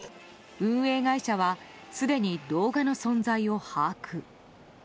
運営会社は、すでに動画の存在を把握。